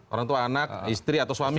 orang tua anak istri atau suami